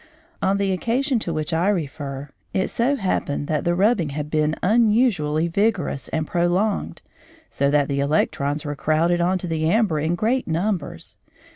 On the occasion to which I refer, it so happened that the rubbing had been unusually vigorous and prolonged, so that the electrons were crowded on to the amber in great numbers.